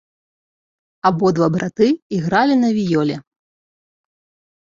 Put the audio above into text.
Абодва браты ігралі на віёле.